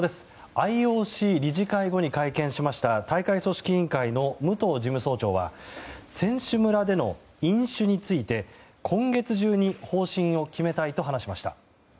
ＩＯＣ理事会後に会見しました大会組織委員会の武藤事務総長は選手村での飲酒について今月中に方針を決めたいと話しました。